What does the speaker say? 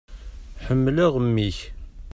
Ḥemmleɣ mmi-k.